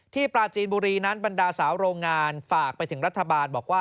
ปราจีนบุรีนั้นบรรดาสาวโรงงานฝากไปถึงรัฐบาลบอกว่า